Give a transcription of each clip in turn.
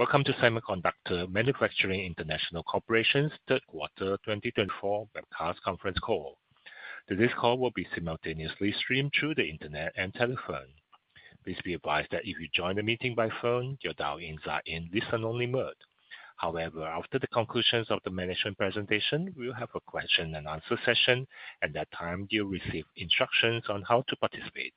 Welcome to Semiconductor Manufacturing International Corporation Third Quarter 2024 Webcast Conference Call. This call will be simultaneously streamed through the Internet and telephone. Please be advised that if you join the meeting by phone, your dial-in is in listen-only mode. However, after the conclusion of the management presentation, we will have a question-and-answer session, and at that time, you'll receive instructions on how to participate.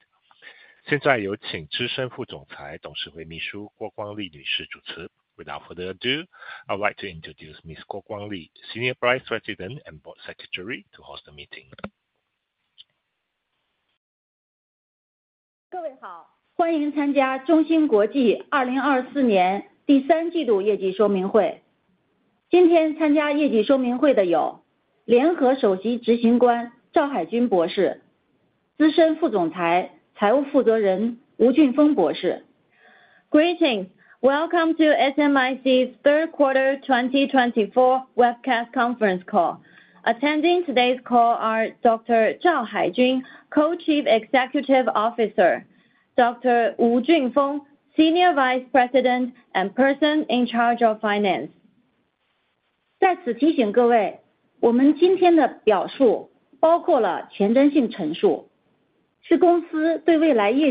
现在有请资深副总裁董事会秘书郭光利女士主持。Without further ado, I'd like to introduce Ms. Guo Guangli, Senior Vice President and Board Secretary, to host the meeting. 各位好，欢迎参加中芯国际2024年第三季度业绩说明会。今天参加业绩说明会的有联合首席执行官赵海军博士、资深副总裁财务负责人吴俊峰博士。Greetings, welcome to SMIC's Third Quarter 2024 Webcast Conference Call. Attending today's call are Dr. Zhao Hai Jun, Co-Chief Executive Officer; Dr. Wu Junfeng, Senior Vice President and Person in Charge of Finance. 在此提醒各位，我们今天的表述包括了前瞻性陈述，是公司对未来业绩的预期而非保证，并受固有风险和不确定性因素的影响。请参阅我们业绩公告中的前瞻性陈述。除非另有说明，业绩说明会的数据是根据国际财务报告准则表述的，所有货币数据均以美元表示。Let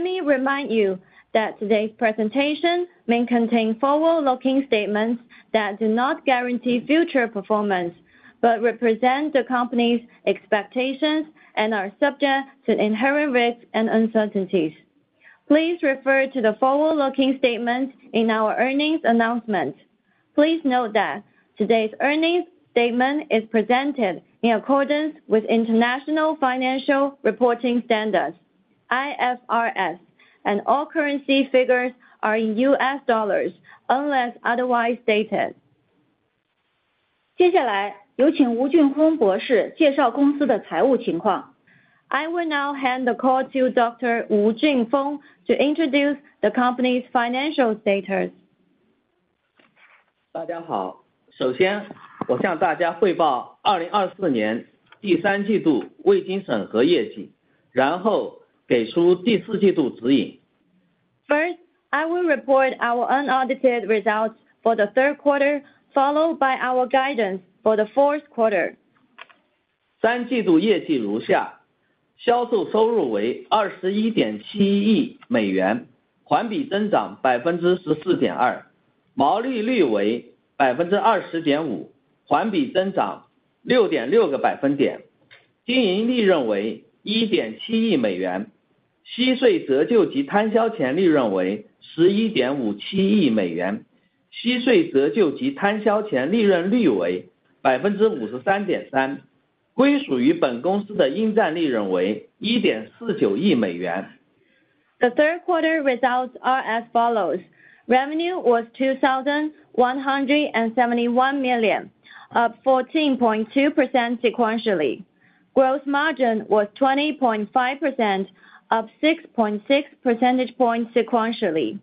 me remind you that today's presentation may contain forward-looking statements that do not guarantee future performance but represent the company's expectations and are subject to inherent risks and uncertainties. Please refer to the forward-looking statement in our earnings announcement. Please note that today's earnings statement is presented in accordance with International Financial Reporting Standards (IFRS), and all currency figures are in U.S. dollars unless otherwise stated. 接下来，有请吴俊峰博士介绍公司的财务情况。I will now hand the call to Dr. Wu Junfeng to introduce the company's financial status. 大家好，首先我向大家汇报2024年第三季度未经审核业绩，然后给出第四季度指引。First, I will report our unaudited results for the third quarter, followed by our guidance for the fourth quarter. 三季度业绩如下：销售收入为$21.71亿美元，环比增长14.2%；毛利率为20.5%，环比增长6.6个百分点；经营利润为$1.7亿美元；息税折旧及摊销前利润为$11.57亿美元；息税折旧及摊销前利润率为53.3%；归属于本公司的应占利润为$1.49亿美元。The third quarter results are as follows: Revenue was $2,171 million, up 14.2% sequentially; gross margin was 20.5%, up 6.6 percentage points sequentially;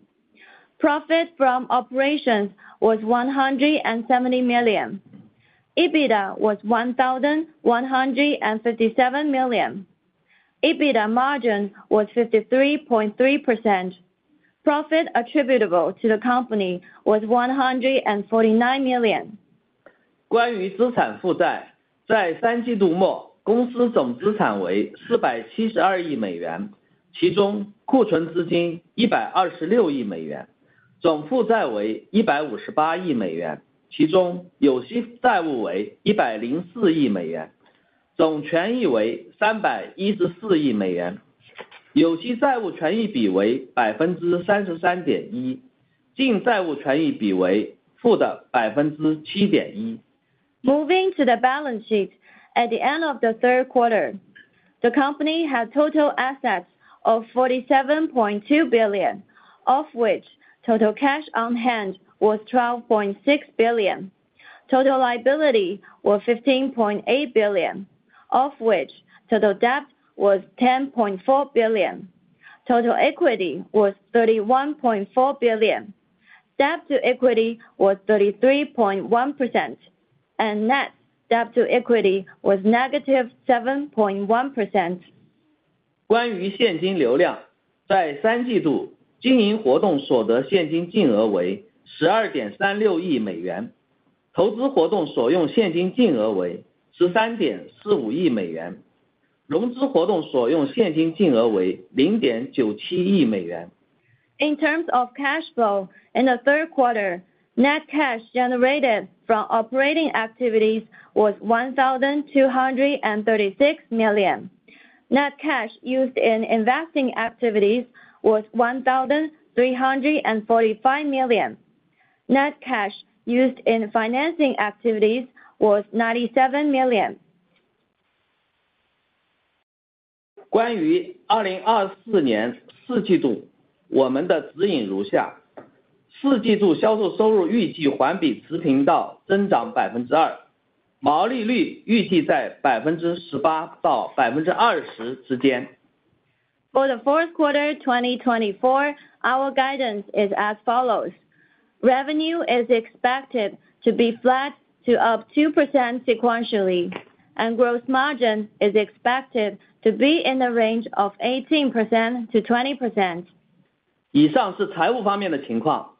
profit from operations was $170 million; EBITDA was $1,157 million; EBITDA margin was 53.3%; profit attributable to the company was $149 million. 关于资产负债，在三季度末公司总资产为$472亿美元，其中库存资金$126亿美元，总负债为$158亿美元，其中有息债务为$104亿美元，总权益为$314亿美元，有息债务权益比为33.1%，净债务权益比为-7.1%。Moving to the balance sheet, at the end of the third quarter, the company had total assets of $47.2 billion, of which total cash on hand was $12.6 billion; total liability was $15.8 billion, of which total debt was $10.4 billion; total equity was $31.4 billion; debt to equity was 33.1%; and net debt to equity was negative 7.1%. 关于现金流量，在三季度经营活动所得现金净额为$12.36亿美元，投资活动所用现金净额为$13.45亿美元，融资活动所用现金净额为$0.97亿美元。In terms of cash flow, in the third quarter, net cash generated from operating activities was $1,236 million; net cash used in investing activities was $1,345 million; net cash used in financing activities was $97 million. 关于2024年四季度，我们的指引如下：四季度销售收入预计环比持平到增长2%；毛利率预计在18%到20%之间。For the fourth quarter 2024, our guidance is as follows: Revenue is expected to be flat to up 2% sequentially, and gross margin is expected to be in the range of 18% to 20%. 以上是财务方面的情况，谢谢。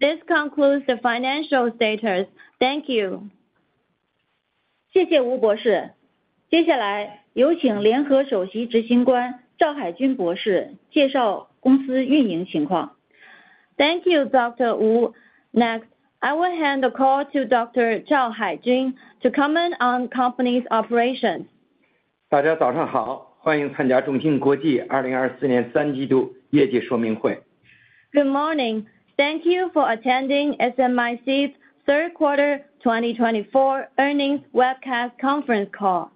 This concludes the financial status. Thank you. 谢谢吴博士。接下来，有请联合首席执行官赵海军博士介绍公司运营情况。Thank you, Dr. Wu. Next, I will hand the call to Dr. Zhao Haijun to comment on company's operations. 大家早上好，欢迎参加中芯国际2024年三季度业绩说明会。Good morning. Thank you for attending SMIC's Third Quarter 2024 Earnings Webcast Conference Call.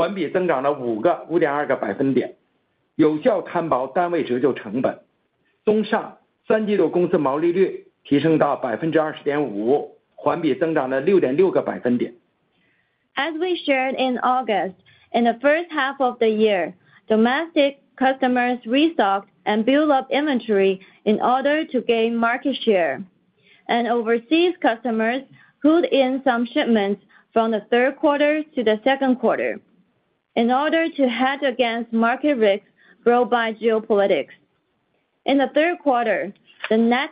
As we shared in August, in the first half of the year, domestic customers restocked and built up inventory in order to gain market share, and overseas customers pulled in some shipments from the third quarter to the second quarter in order to hedge against market risks brought by geopolitics. In the third quarter, the net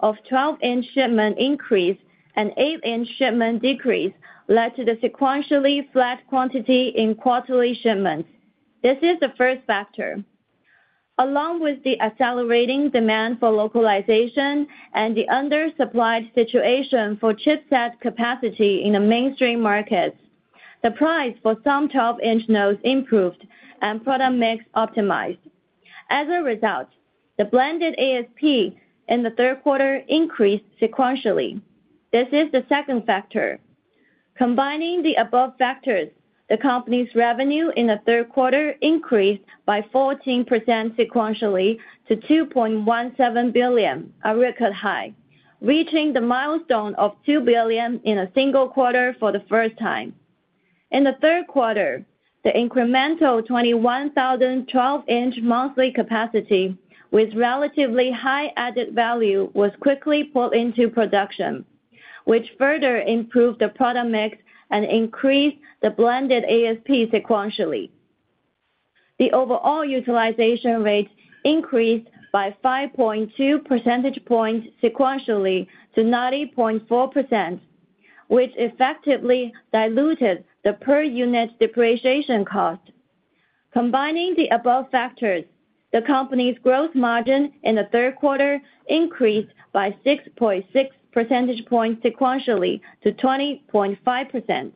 of 12-inch shipment increase and 8-inch shipment decrease led to the sequentially flat quantity in quarterly shipments. This is the first factor. Along with the accelerating demand for localization and the undersupplied situation for chipset capacity in the mainstream markets, the price for some 12-inch nodes improved and product mix optimized. As a result, the blended ASP in the third quarter increased sequentially. This is the second factor. Combining the above factors, the company's revenue in the third quarter increased by 14% sequentially to $2.17 billion, a record high, reaching the milestone of $2 billion in a single quarter for the first time. In the third quarter, the incremental 21,000 12-inch monthly capacity with relatively high added value was quickly pulled into production, which further improved the product mix and increased the blended ASP sequentially. The overall utilization rate increased by 5.2 percentage points sequentially to 90.4%, which effectively diluted the per-unit depreciation cost. Combining the above factors, the company's gross margin in the third quarter increased by 6.6 percentage points sequentially to 20.5%.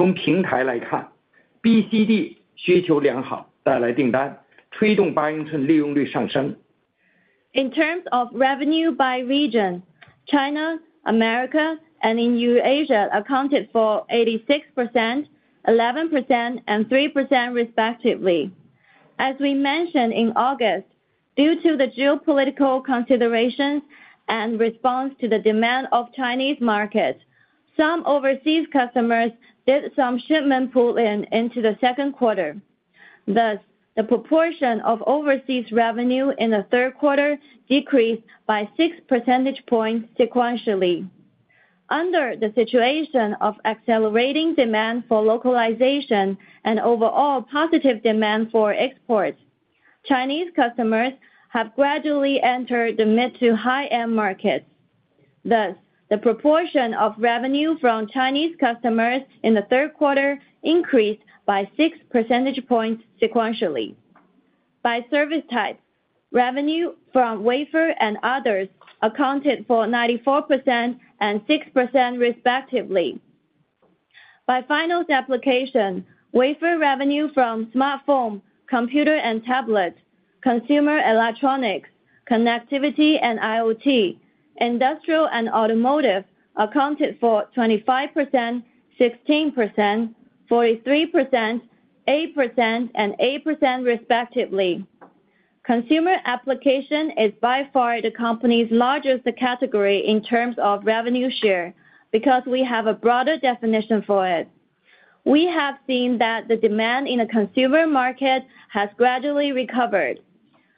In terms of revenue by region, China, America, and EU Asia accounted for 86%, 11%, and 3% respectively. As we mentioned in August, due to the geopolitical considerations and response to the demand of Chinese markets, some overseas customers did some shipment pull-in into the second quarter. Thus, the proportion of overseas revenue in the third quarter decreased by 6 percentage points sequentially. Under the situation of accelerating demand for localization and overall positive demand for exports, Chinese customers have gradually entered the mid to high-end markets. Thus, the proportion of revenue from Chinese customers in the third quarter increased by 6 percentage points sequentially. By service types, revenue from wafer and others accounted for 94% and 6% respectively. By final application, wafer revenue from smartphone, computer and tablet, consumer electronics, connectivity and IoT, industrial and automotive accounted for 25%, 16%, 43%, 8%, and 8% respectively. Consumer application is by far the company's largest category in terms of revenue share because we have a broader definition for it. We have seen that the demand in the consumer market has gradually recovered.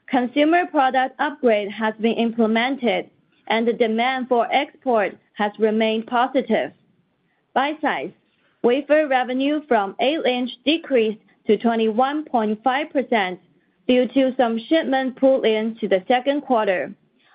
Consumer product upgrade has been implemented, and the demand for export has remained positive. By size, wafer revenue from 8-inch decreased to 21.5% due to some shipment pull-in to the second quarter,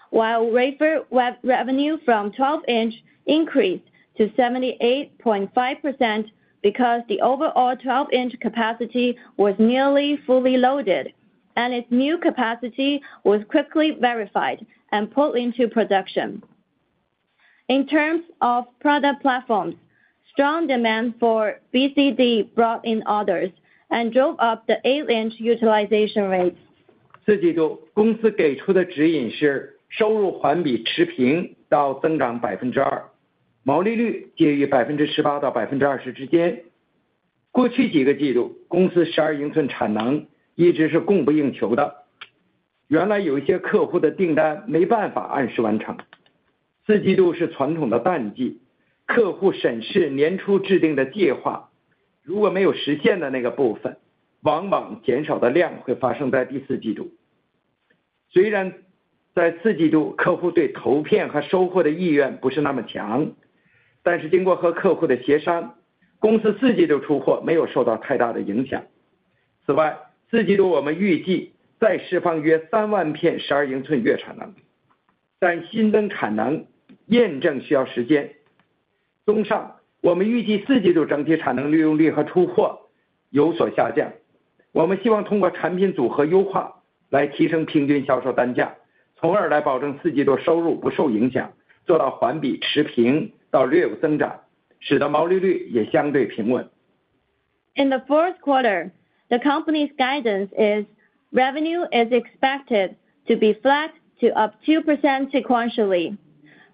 while wafer revenue from 12-inch increased to 78.5% because the overall 12-inch capacity was nearly fully loaded, and its new capacity was quickly verified and pulled into production. In terms of product platforms, strong demand for BCD brought in orders and drove up the 8-inch utilization rates. In the fourth quarter, the company's guidance is revenue is expected to be flat to up 2% sequentially.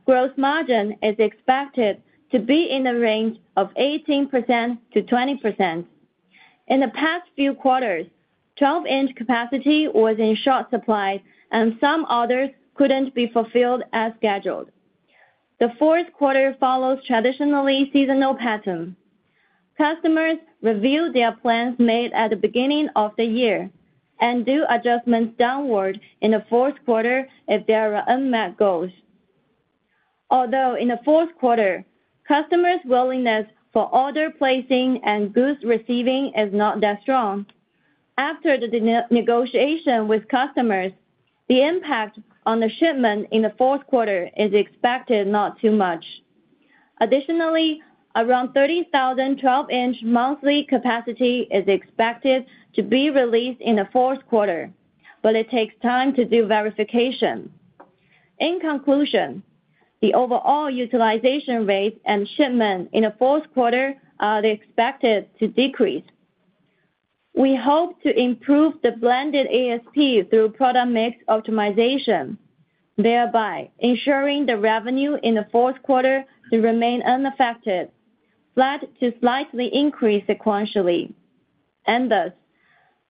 Gross margin is expected to be in the range of 18% to 20%. In the past few quarters, 12-inch capacity was in short supply, and some orders couldn't be fulfilled as scheduled. The fourth quarter follows traditionally seasonal pattern. Customers review their plans made at the beginning of the year and do adjustments downward in the fourth quarter if there are unmet goals. Although in the fourth quarter, customers' willingness for order placing and goods receiving is not that strong, after the negotiation with customers, the impact on the shipment in the fourth quarter is expected not too much. Additionally, around 30,000 12-inch monthly capacity is expected to be released in the fourth quarter, but it takes time to do verification. In conclusion, the overall utilization rate and shipment in the fourth quarter are expected to decrease. We hope to improve the blended ASP through product mix optimization, thereby ensuring the revenue in the fourth quarter to remain unaffected, flat to slightly increased sequentially. Thus,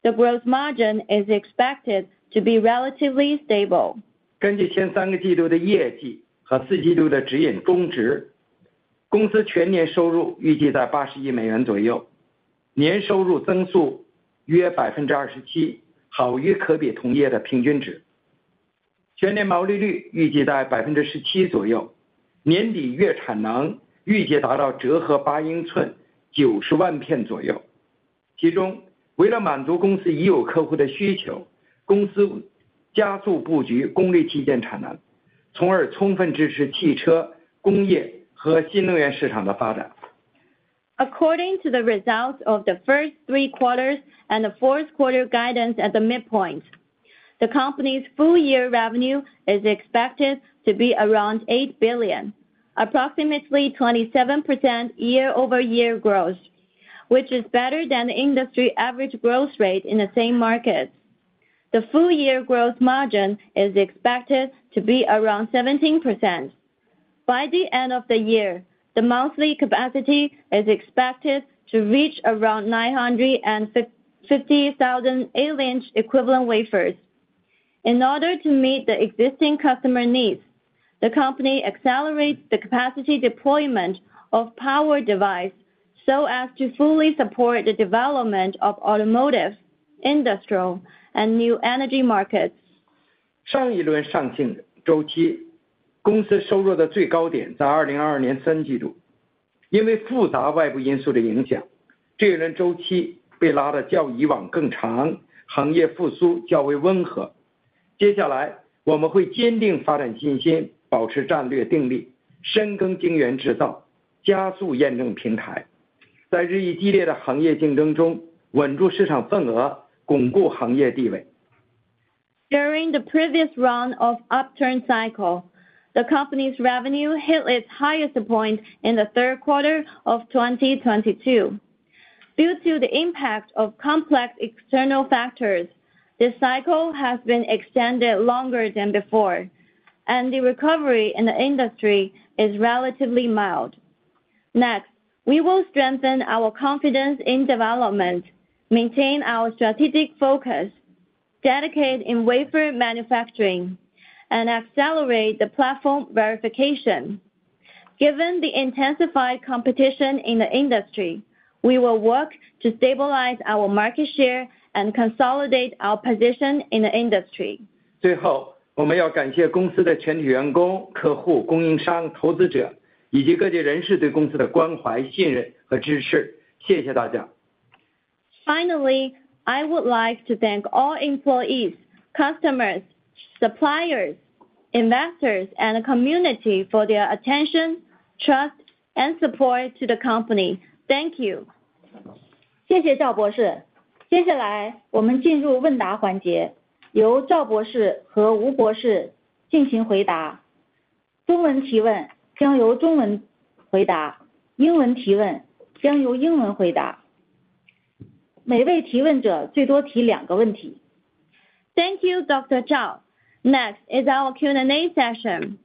the gross margin is expected to be relatively stable. 根据前三个季度的业绩和四季度的指引终值，公司全年收入预计在$80亿左右，年收入增速约27%，好于可比同业的平均值。全年毛利率预计在17%左右，年底月产能预计达到折合8英寸90万片左右。其中，为了满足公司已有客户的需求，公司加速布局功率旗舰产能，从而充分支持汽车、工业和新能源市场的发展。According to the results of the first three quarters and the fourth quarter guidance at the midpoint, the company's full year revenue is expected to be around $8 billion, approximately 27% year-over-year growth, which is better than the industry average growth rate in the same markets. The full year gross margin is expected to be around 17%. By the end of the year, the monthly capacity is expected to reach around 950,000 8-inch equivalent wafers. In order to meet the existing customer needs, the company accelerates the capacity deployment of power devices so as to fully support the development of automotive, industrial, and new energy markets. 上一轮上行周期，公司收入的最高点在2022年三季度。因为复杂外部因素的影响，这一轮周期被拉得较以往更长，行业复苏较为温和。接下来，我们会坚定发展信心，保持战略定力，深耕晶圆制造，加速验证平台。在日益激烈的行业竞争中，稳住市场份额，巩固行业地位。During the previous round of upturn cycle, the company's revenue hit its highest point in the third quarter of 2022. Due to the impact of complex external factors, the cycle has been extended longer than before, and the recovery in the industry is relatively mild. Next, we will strengthen our confidence in development, maintain our strategic focus, dedicate in wafer manufacturing, and accelerate the platform verification. Given the intensified competition in the industry, we will work to stabilize our market share and consolidate our position in the industry. 最后，我们要感谢公司的全体员工、客户、供应商、投资者，以及各界人士对公司的关怀、信任和支持。谢谢大家。Finally, I would like to thank all employees, customers, suppliers, investors, and the community for their attention, trust, and support to the company. Thank you. 谢谢赵博士。接下来我们进入问答环节，由赵博士和吴博士进行回答。中文提问将由中文回答，英文提问将由英文回答。每位提问者最多提两个问题。Thank you, Dr. Zhao. Next is our Q&A session.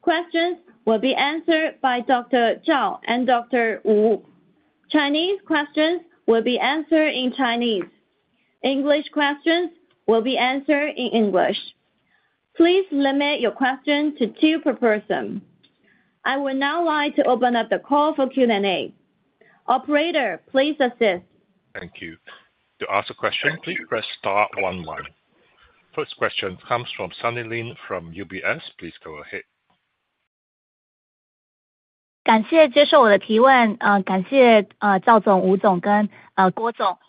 Questions will be answered by Dr. Zhao and Dr. Wu. Chinese questions will be answered in Chinese. English questions will be answered in English. Please limit your question to two per person. I would now like to open up the call for Q&A. Operator, please assist. Thank you. To ask a question, please press star online. First question comes from Sunny Lin from UBS. Please go ahead. 感谢接受我的提问，感谢赵总、吴总跟郭总。第一个问题想要请教一下赵总，今年其实公司真的是做得特别好。今年我们也看到很多本土替代的机会，不管是对公司或者是我们国内这个Fabless的客户。我们怎么看明年呢？想请教赵总，在这个时间点看明年这个半导体的周期，还有明年公司可以再看到比较多的本土替代的机会，主要是在哪些领域或者是产品呢？ 好的，谢谢Sunny TD和Quest很好。在今年的基础上来看来年，这个时间点还略微有点早，但还是可以看一下。因为现在我们也是在跟客户，包括客户的客户，就是刚才讲的终端用户，手机、汽车制造、工业等等，也都在有密切的沟通。大家在筹划来年和预测，基本上第一个定调就是来年整个用USD来算的revenue或者用Silicon来算的整个芯片的用量，它是多过今年的。所以大家推测来年都是成长。这个数字在AI领域比较高，10%以上的成长，用USD来算。但是如果是把AI拿掉，把最先进的这个性能功能计算HPC拿掉，大家看到的现在的值，用USD可能是预测4%到9%之间，没有双位数。那这里面有一个因素，就是我们也看到很多产能纷纷地开出来，现在和来年还处在一个供过于求的状态，在各个市场。所以可能带来一定的价钱的松动。所以我们刚才讲的单位数就拿到AI之外的这个先进制程之外的这个单位数的成长，其实可能包括价钱的因素在里面。所以可能晶圆的出货会是双位数，但营业额的成长会是单位数。这个是一件事。还有一件事，其实现在行业到现在还没有见底，或者说最弱的一个环节是工业和汽车领域。那大家也都看到美欧这个主要的汽车供应商的公告都不是很好，股票跌得都很厉害。但是大家都抱有希望，觉得库存在消耗，来年下半年会回来。这是一个现在没有考虑进去的因素。如果来年的下半年工业和汽车会恢复，那可能数字会比刚才我跟你讲的还要好一点。在工业界里面，其实中国看到的主要是光伏和电池这一块。所以这一块如果库存消耗掉，来年好一点，对中芯国际和对其他的同行也有比较好的一个推动。那你刚才问的第二个问题是说在哪些方面？其实如果我们要讲说是单位数的成长，其实来年中芯国际面临的这个五大领域，就是Mobile、Smartphone和Pad这些，这个手环、手表，这个跟通信有关的。第二个是电脑和周边，第三个是消费类，第四个是Connectivity、IoT，第五个是Industrial和Automotive。这几个地方除了Industrial、Automotive第五类，现在没有明确地说它会成长之外，其他的四个领域我们现在接触下来都是成长的。中芯国际现在一家独大的，或者说一个应用独大的是消费类，因为我们的消费类非常宽泛，只要是不能明确地放到手机里面的，我们就都放到消费里了。那现在看到中国的出口还是非常强劲的，也很有竞争力。当然价钱也有松动，但总量还是在成长。所以我们觉得这几个领域差不多都看到的是单位数的成长。了解，非常。刚才你讲的说这个本地对本地Local for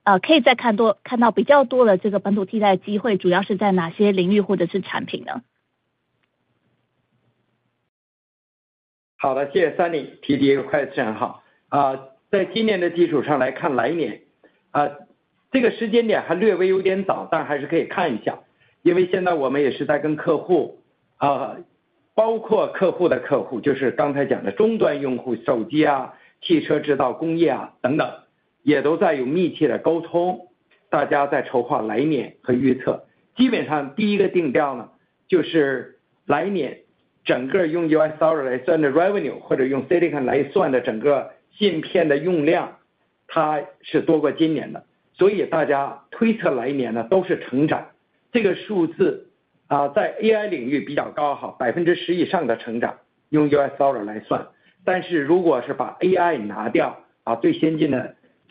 Local，是不是明年会有更多的机会？我觉得现在能够替代的是接下来会比较缓慢的替代了。现在大宗的应该达到一定的百分比了。因为国内的终端，无论是汽车还是手机还是其他的产品，大家也是有国际化视野的，也是希望有多个供应商来做的。所以当达到三分之一左右的供应链的百分比之后，剩下来都不会有太大的改变。明年我们面临的一个问题是像吃面一样，这个增量不增价。大家可能说提供更好的产品，里面的硅含量增加了，但是整个销售的单价不变，这样就会压缩到供应链，就是刚才我说到的，会压缩到这个价钱这个地方。但我已经在前面把这个价钱的因素考虑进去了。好了，Sunny，刚才你有评价？ 对，不好意思，谢谢赵总，真的每次听您分享都非常的有帮助。那所以我第二个问题就是想follow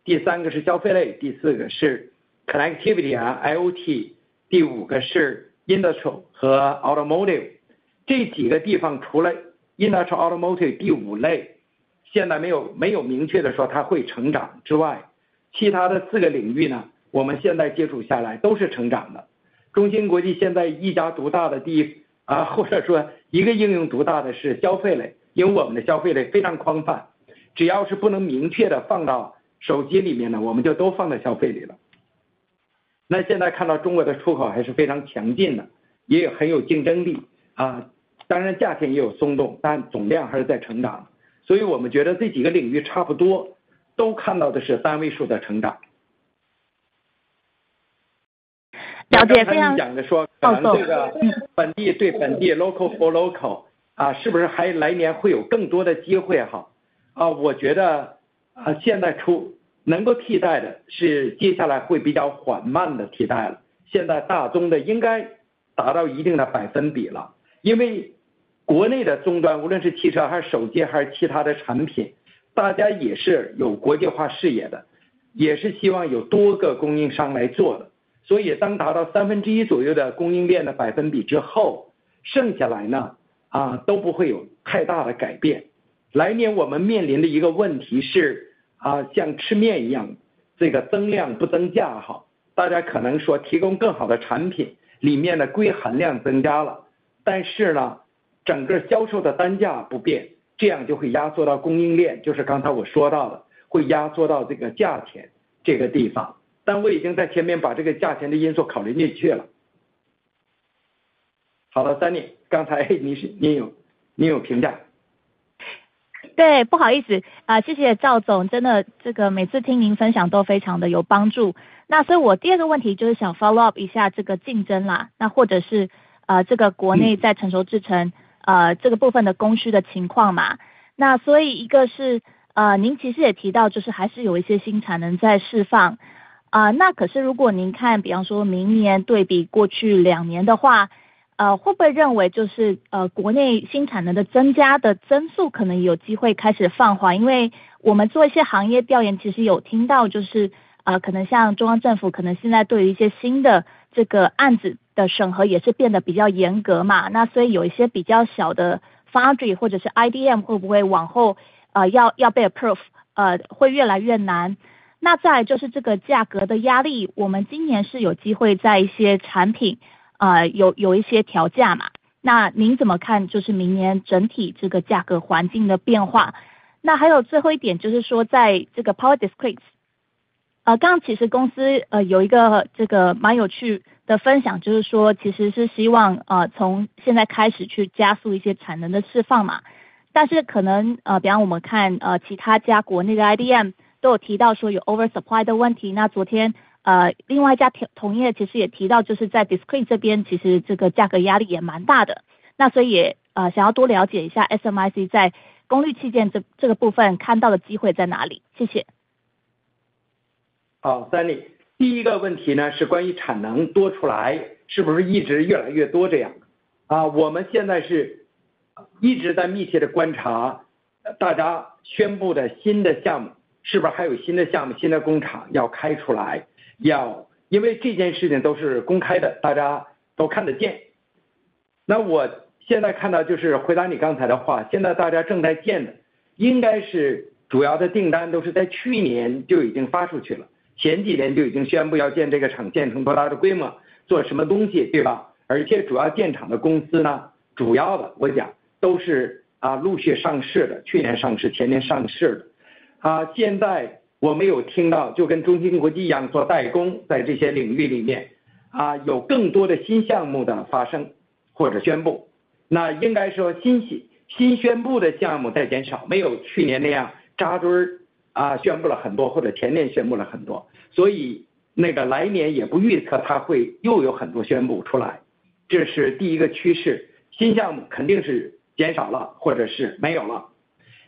Discrete，刚刚其实公司有一个这个蛮有趣的分享，就是说其实是希望从现在开始去加速一些产能的释放。但是可能比方我们看其他家国内的IDM都有提到说有oversupply的问题。那昨天另外一家同业其实也提到就是在Discrete这边其实这个价格压力也蛮大的。那所以也想要多了解一下SMIC在功率器件这个部分看到的机会在哪里？谢谢。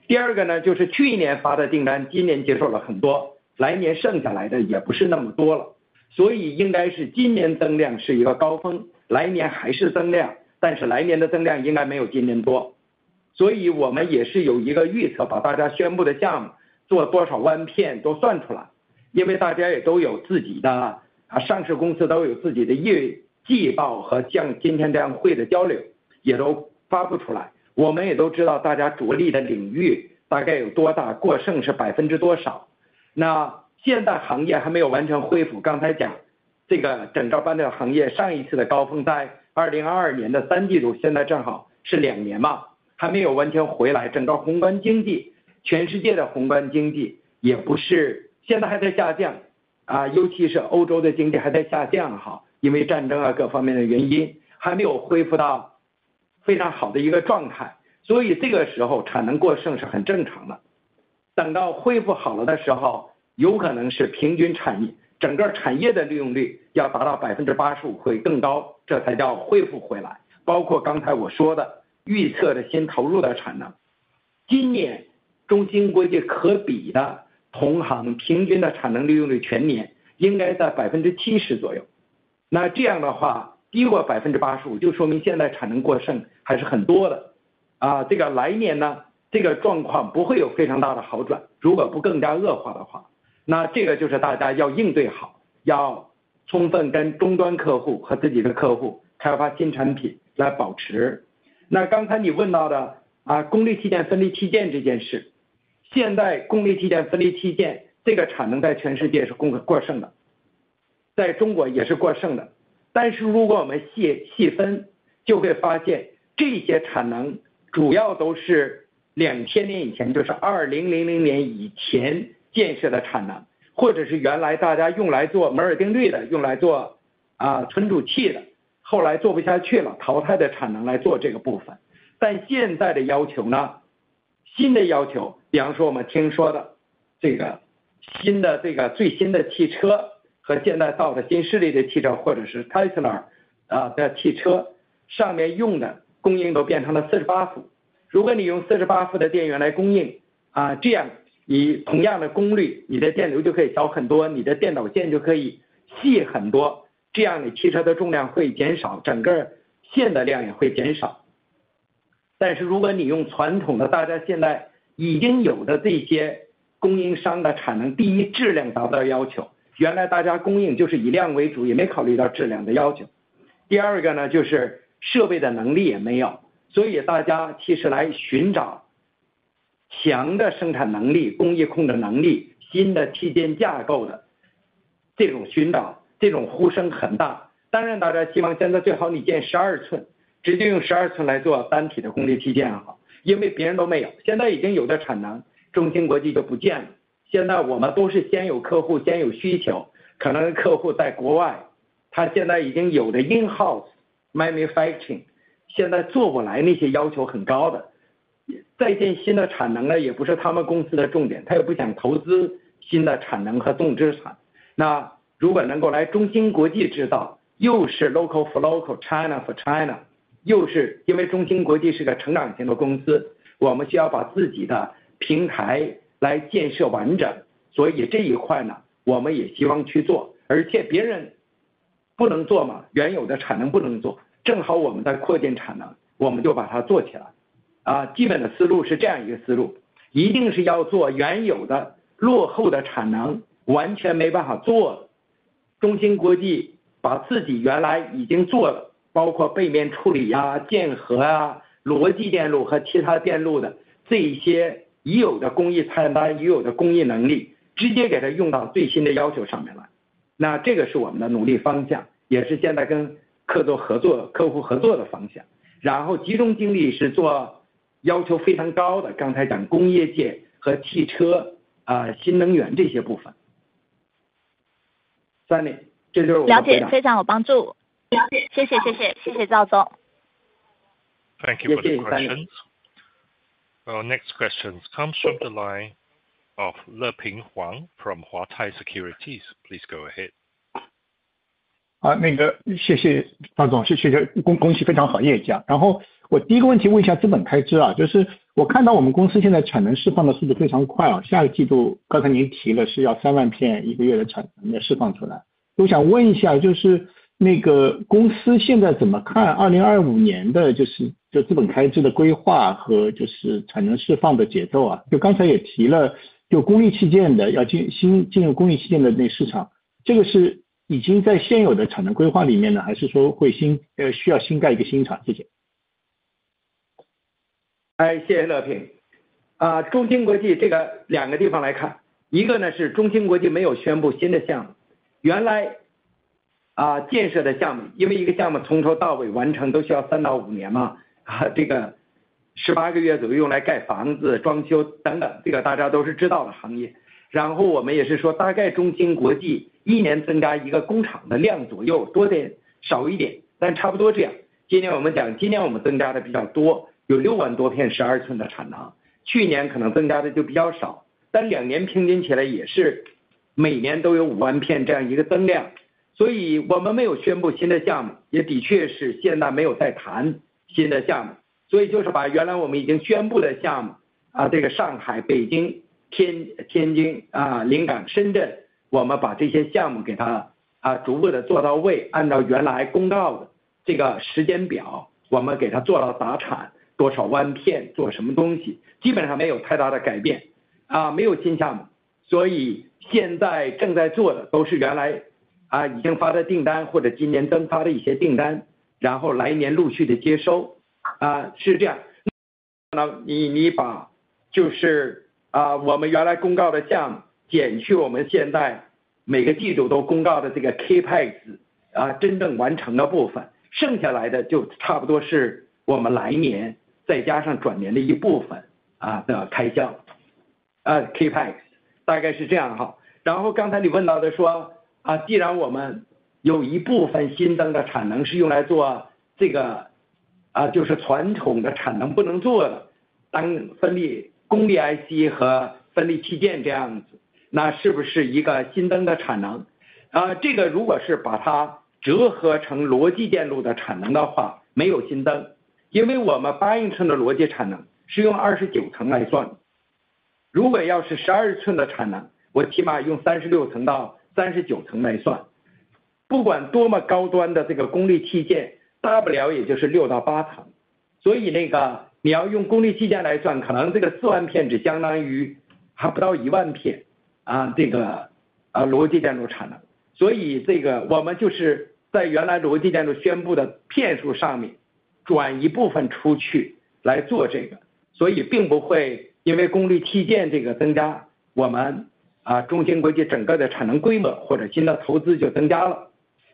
Sunny，第一个问题是关于产能多出来是不是一直越来越多这样？我们现在是一直在密切地观察大家宣布的新的项目，是不是还有新的项目、新的工厂要开出来？因为这件事情都是公开的，大家都看得见。那我现在看到就是回答你刚才的话，现在大家正在建的应该是主要的订单都是在去年就已经发出去了，前几年就已经宣布要建这个厂，建成多大的规模，做什么东西，对吧？而且主要建厂的公司，主要的我讲都是陆续上市的，去年上市、前年上市的。现在我们有听到就跟中芯国际一样做代工，在这些领域里面有更多的新项目的发生或者宣布。那应该说新宣布的项目在减少，没有去年那样扎堆宣布了很多或者前年宣布了很多。所以那个来年也不预测它会又有很多宣布出来。这是第一个趋势，新项目肯定是减少了或者是没有了。第二个就是去年发的订单，今年接受了很多，来年剩下来的也不是那么多了。所以应该是今年增量是一个高峰，来年还是增量，但是来年的增量应该没有今年多。所以我们也是有一个预测，把大家宣布的项目做多少万片都算出来。因为大家也都有自己的上市公司，都有自己的业绩报和像今天这样会的交流，也都发布出来。我们也都知道大家着力的领域大概有多大，过剩是百分之多少。那现在行业还没有完全恢复，刚才讲这个整个半导体行业上一次的高峰在2022年的三季度，现在正好是两年嘛，还没有完全回来。整个宏观经济，全世界的宏观经济也不是，现在还在下降，尤其是欧洲的经济还在下降，因为战争各方面的原因，还没有恢复到非常好的一个状态。所以这个时候产能过剩是很正常的。等到恢复好了的时候，有可能是平均产业，整个产业的利用率要达到85%会更高，这才叫恢复回来。包括刚才我说的预测的新投入的产能，今年中芯国际可比的同行平均的产能利用率全年应该在70%左右。那这样的话，低过85%就说明现在产能过剩还是很多的。这个来年这个状况不会有非常大的好转，如果不更加恶化的话。那这个就是大家要应对好，要充分跟终端客户和自己的客户开发新产品来保持。那刚才你问到的功率器件分离器件这件事，现在功率器件分离器件这个产能在全世界是过剩的，在中国也是过剩的。但是如果我们细分，就会发现这些产能主要都是2000年以前，就是2000年以前建设的产能，或者是原来大家用来做摩尔定律的，用来做存储器的，后来做不下去了，淘汰的产能来做这个部分。但现在的要求，新的要求，比方说我们听说的这个新的最新的汽车和现在造的新势力的汽车，或者是特斯拉的汽车，上面用的供应都变成了48伏。如果你用48伏的电源来供应，这样你同样的功率，你的电流就可以小很多，你的电导线就可以细很多，这样你汽车的重量会减少，整个线的量也会减少。但是如果你用传统的大家现在已经有的这些供应商的产能，第一质量达到要求，原来大家供应就是以量为主，也没考虑到质量的要求。第二个就是设备的能力也没有，所以大家其实来寻找强的生产能力、工业控制能力、新的器件架构的这种寻找，这种呼声很大。当然大家希望现在最好你建12寸，直接用12寸来做单体的功率器件，好，因为别人都没有。现在已经有的产能，中芯国际就不建了。现在我们都是先有客户，先有需求，可能客户在国外，他现在已经有的内部制造现在做不来，那些要求很高的。再建新的产能也不是他们公司的重点，他也不想投资新的产能和动资产。那如果能够来中芯国际制造，又是本地化，中国为中国，又是因为中芯国际是个成长型的公司，我们需要把自己的平台来建设完整。所以这一块我们也希望去做，而且别人不能做，原有的产能不能做，正好我们在扩建产能，我们就把它做起来。基本的思路是这样一个思路，一定是要做原有的落后的产能，完全没办法做的。中芯国际把自己原来已经做的，包括背面处理、剑河、逻辑电路和其他电路的这些已有的工艺菜单、已有的工艺能力，直接给它用到最新的要求上面来。那这个是我们的努力方向，也是现在跟客户合作的方向。然后集中精力是做要求非常高的，刚才讲工业界和汽车、新能源这些部分。Sunny，这就是我们的。了解，非常有帮助。谢谢，谢谢，谢谢赵总。Thank you for the questions. Our next question comes from the line of Le Ping Huang from Huatai Securities. Please go ahead.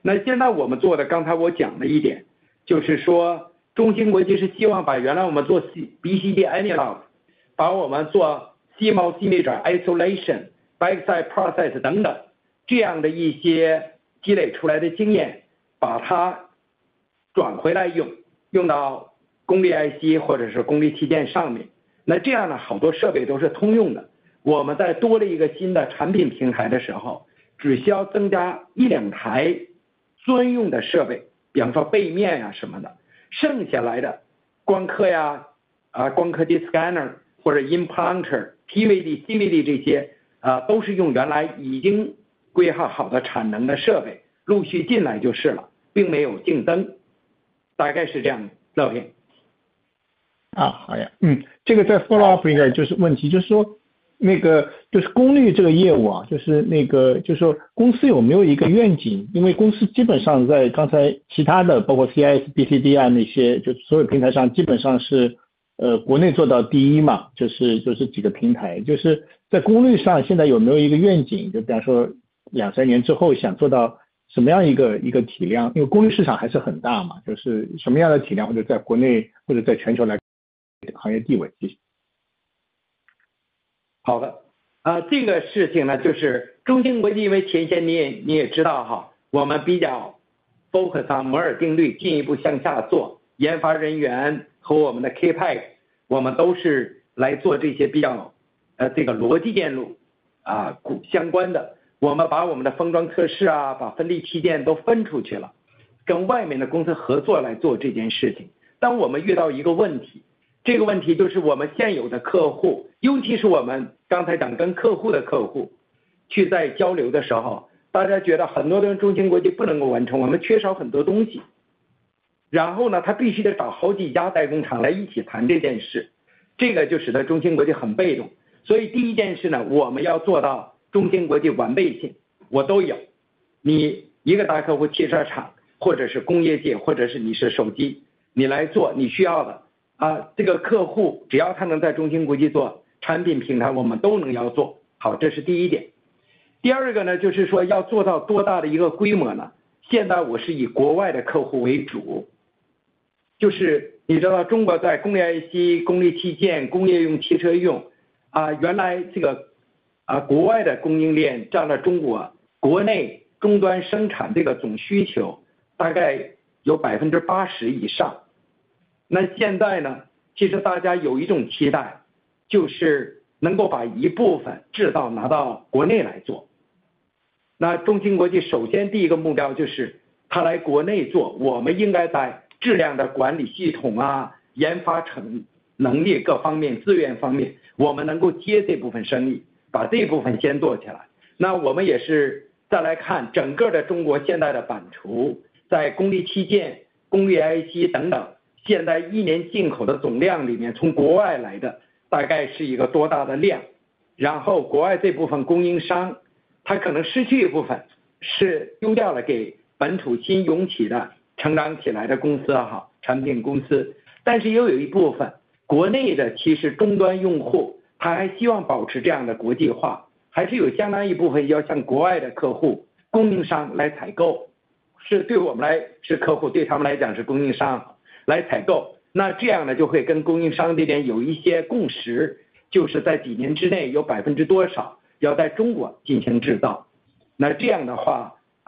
那现在我们做的刚才我讲了一点，就是说中芯国际是希望把原来我们做BCD Analogue，把我们做CMOS Imager Isolation、Byte Size Process等等这样的一些积累出来的经验，把它转回来用，用到功率IC或者是功率器件上面。那这样的好多设备都是通用的，我们在多了一个新的产品平台的时候，只需要增加一两台专用的设备，比方说背面什么的，剩下来的光刻、光刻机Scanner或者Implanter、PVD、CVD这些都是用原来已经规划好的产能的设备陆续进来就是了，并没有竞争，大概是这样。乐平。好的。这个再follow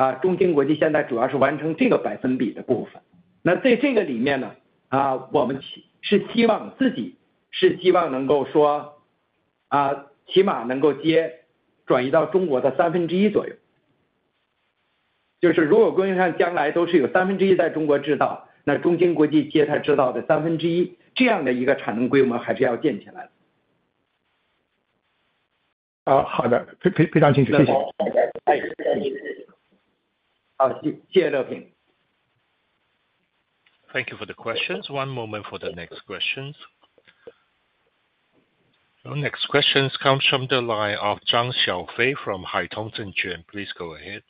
好的，非常清楚，谢谢。好，谢谢乐平。Thank you for the questions. One moment for the next questions. Next questions come from the line of Zhang Xiaofei from Haitong Securities. Please go ahead.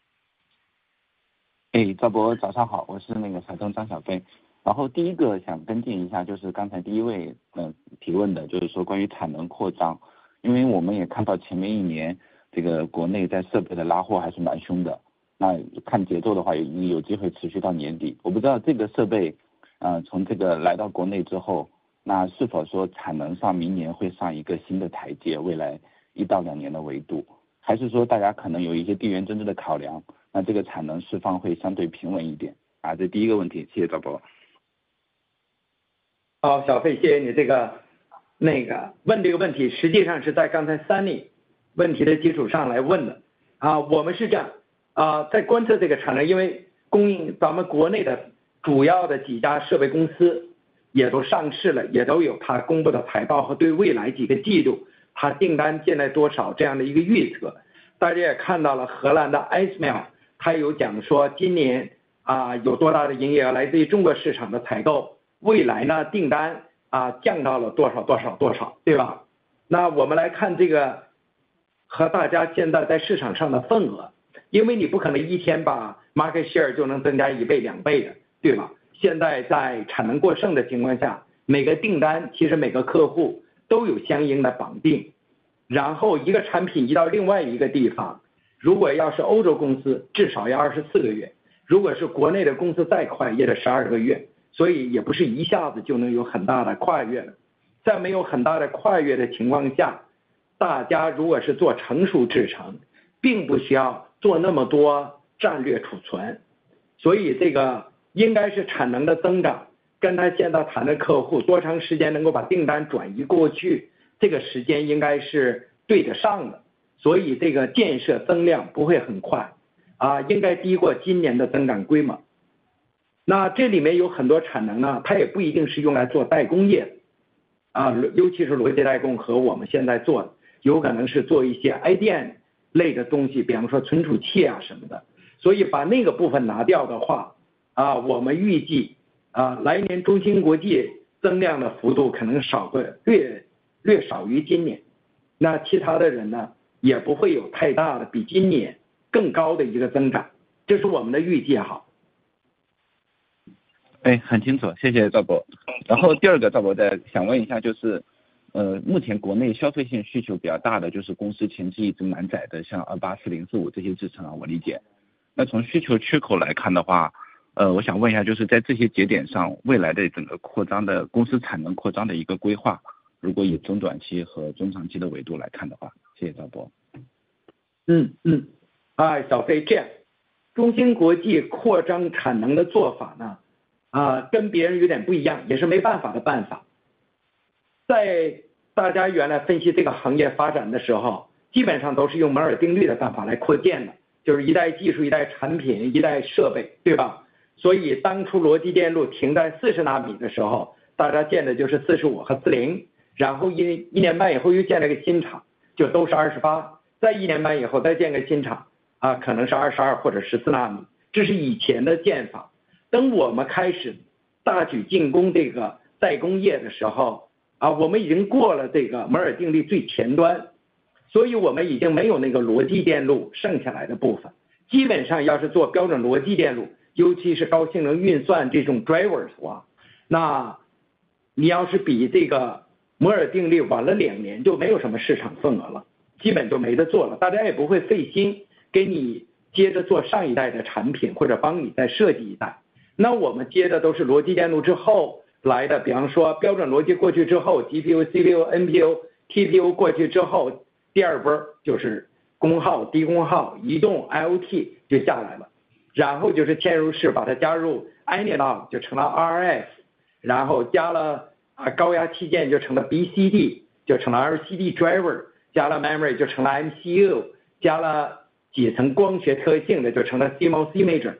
driver，加了Memory就成了MCU，加了几层光学特性的就成了CMOS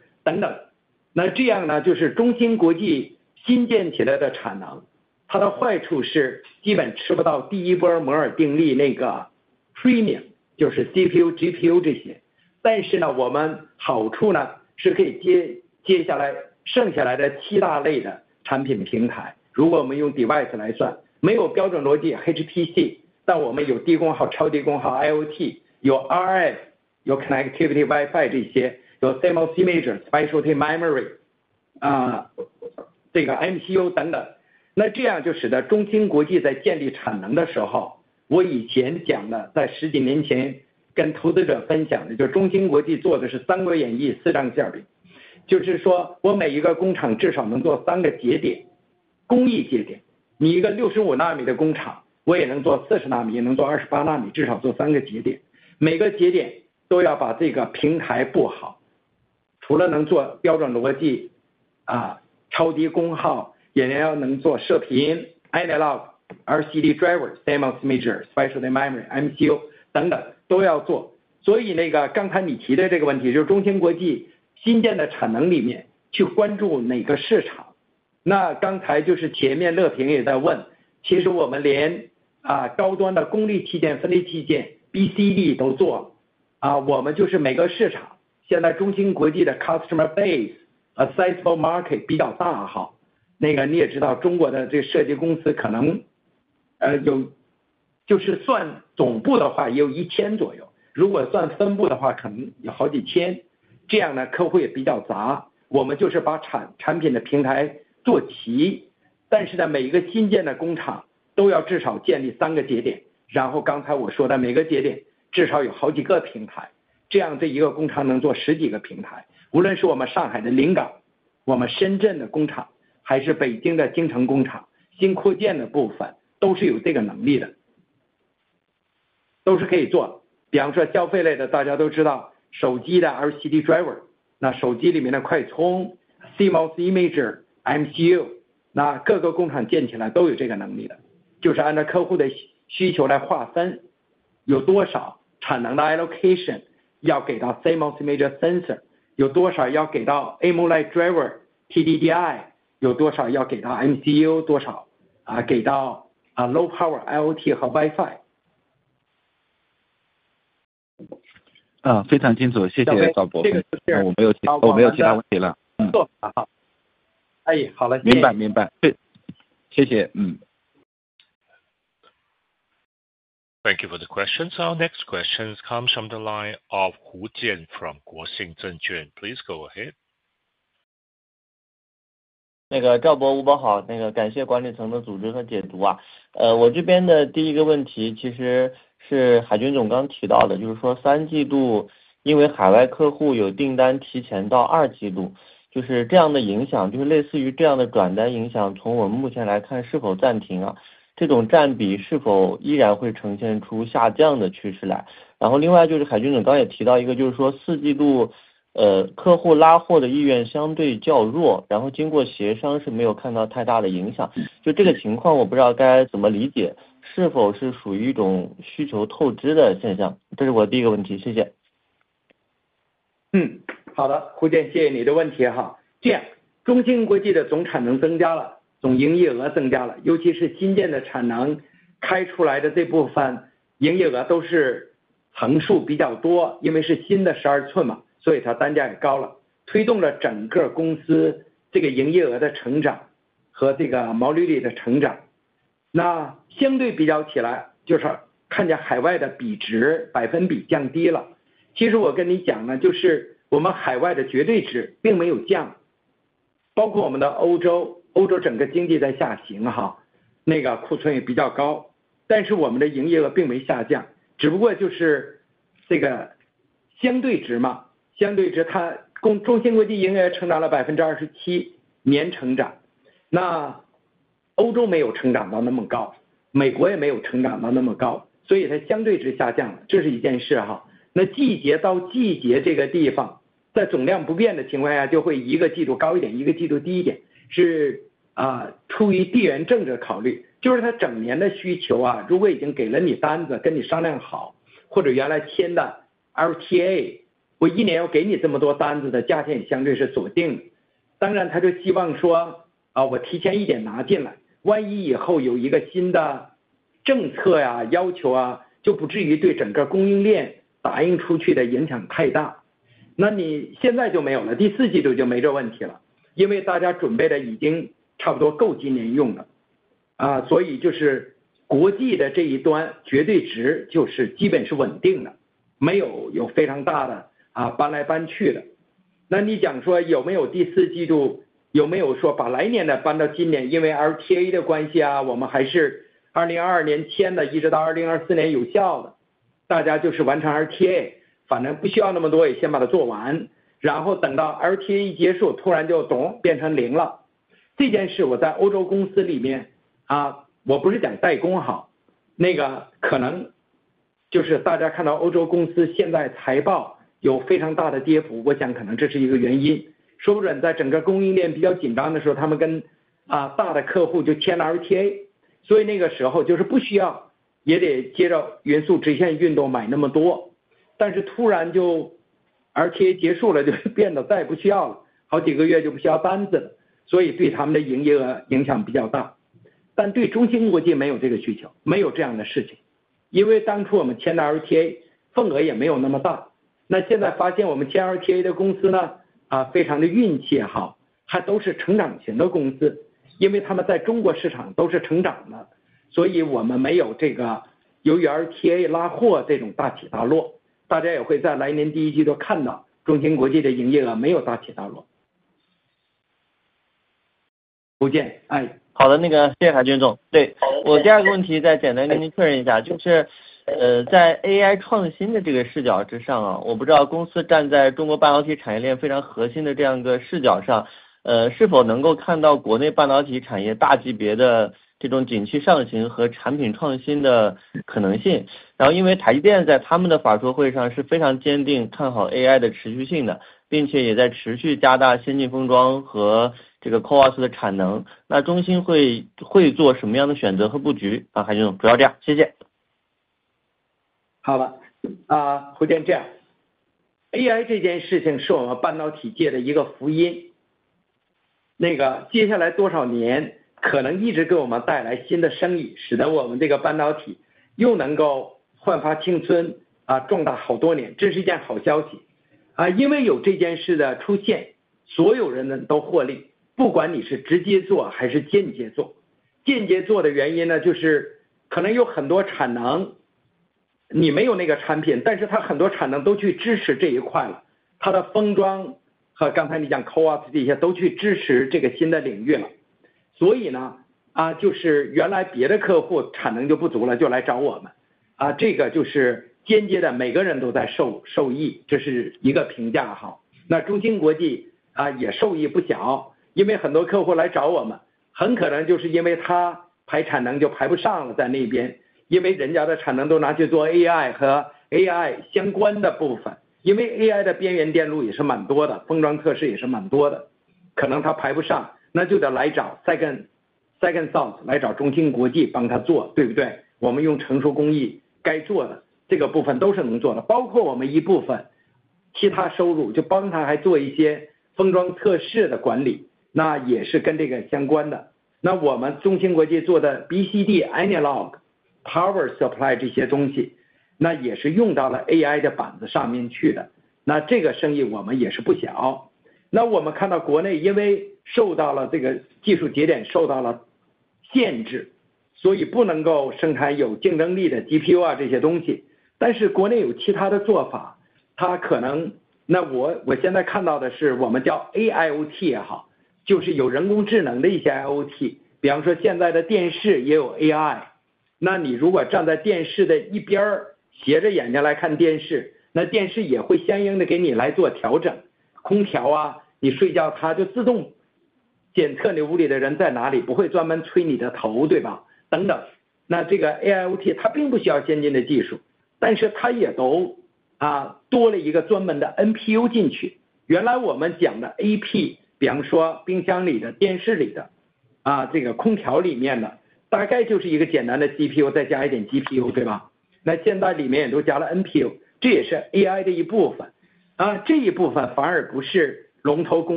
Imager等等。那这样就是中芯国际新建起来的产能，它的坏处是基本吃不到第一波摩尔定律那个premium，就是CPU、GPU这些，但是我们好处是可以接下来剩下来的七大类的产品平台。如果我们用device来算，没有标准逻辑HPC，但我们有低功耗、超低功耗、IoT，有RF，有connectivity WiFi这些，有CMOS Imager、Specialty Memory、这个MCU等等。那这样就使得中芯国际在建立产能的时候，我以前讲的在十几年前跟投资者分享的，就是中芯国际做的是三国演义、四张馅饼，就是说我每一个工厂至少能做三个节点，工艺节点，你一个65纳米的工厂，我也能做40纳米，也能做28纳米，至少做三个节点，每个节点都要把这个平台布好，除了能做标准逻辑、超低功耗，也要能做射频、Analogue、RCD driver、CMOS Imager、Specialty Memory、MCU等等都要做。所以刚才你提的这个问题，就是中芯国际新建的产能里面去关注哪个市场。那刚才就是前面乐平也在问，其实我们连高端的功率器件、分离器件、BCD都做了，我们就是每个市场，现在中芯国际的customer base和sizable driver，那手机里面的快充、CMOS Imager、MCU，那各个工厂建起来都有这个能力的，就是按照客户的需求来划分，有多少产能的allocation要给到CMOS Imager Thank you for the questions. Our next question comes from the line of Kwai Jian of Dongfang Zhenjuan. Please go ahead.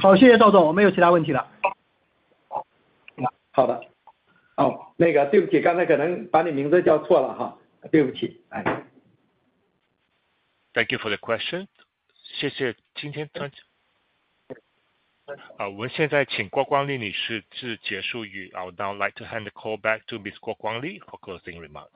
好，谢谢赵总，我没有其他问题了。好的，对不起，刚才可能把你名字叫错了，对不起。Thank you for the question. 谢谢今天参加。我们现在请郭光利女士致结束语。I would now like to hand the call back to Ms. Guo Guangli for closing remarks.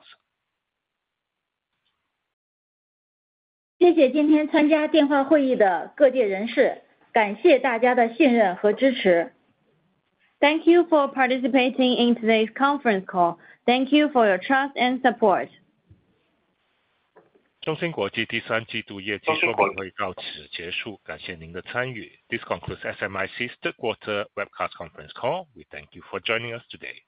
谢谢今天参加电话会议的各界人士，感谢大家的信任和支持。Thank you for participating in today's conference call. Thank you for your trust and support. 中芯国际第三季度业绩说明会到此结束，感谢您的参与。This concludes SMIC's third quarter webcast conference call. We thank you for joining us today.